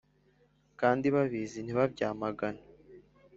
kandi babizi ntibabyamagane